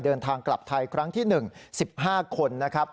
เดินทางกลับไทยครั้งที่๑๑๕คนนะครับ